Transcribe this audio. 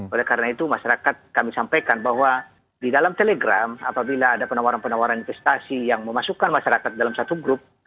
oleh karena itu masyarakat kami sampaikan bahwa di dalam telegram apabila ada penawaran penawaran investasi yang memasukkan masyarakat dalam satu grup